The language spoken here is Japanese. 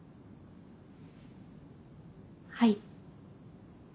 はい。